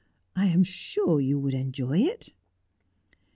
I am sure you would enjoy it.'